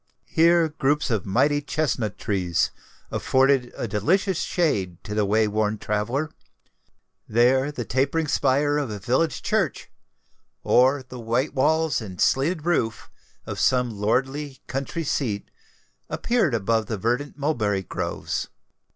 Here groups of mighty chesnut trees afforded a delicious shade to the way worn traveller: there the tapering spire of a village church, or the white walls and slated roof of some lordly country seat, appeared above the verdant mulberry groves.